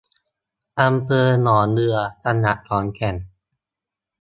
อำเภอหนองเรือ จังหวัดขอนแก่น